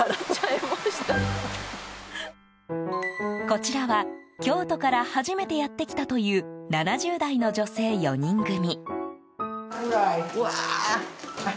こちらは京都から初めてやってきたという７０代の女性４人組。